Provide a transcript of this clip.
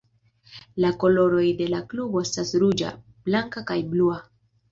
La koloroj de la klubo estas ruĝa, blanka, kaj blua.